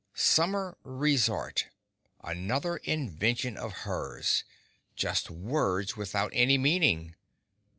Summer resort—another invention of hers—just words, without any meaning.